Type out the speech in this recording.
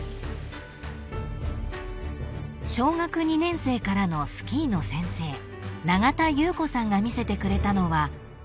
［小学２年生からのスキーの先生永田結子さんが見せてくれたのは］